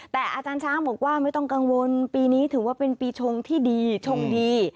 แต่อาจารย์ช้างบอกว่าไม่ต้องกังวลปีนี้ถือว่าเป็นปีชงที่ดีชงดี